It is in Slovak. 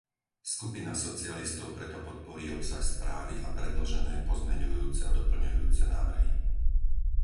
Skupina socialistov preto podporí obsah správy a predložené pozmeňujúce a doplňujúce návrhy.